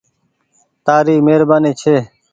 تآري مهرباني ڇي